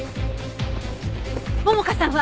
桃香さんは？